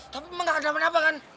tapi emang gak ada apa apa kan